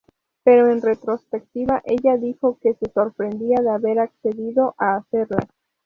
Pero en retrospectiva, ella dijo que se sorprendía por haber accedido a hacerlas.